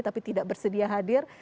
tapi tidak bersedia hadir